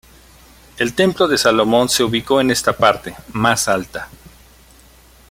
El Templo de Salomón se ubicó en esta parte, más alta.